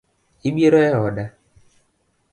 Ibiro eoda?